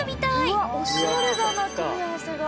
うわおしゃれだな組み合わせが。